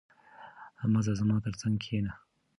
مه ځه، زما تر څنګ کښېنه.